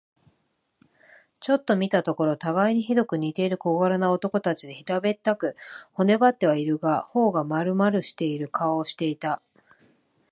ちょっと見たところ、たがいにひどく似ている小柄な男たちで、平べったく、骨ばってはいるが、頬がまるまるしている顔をしていた。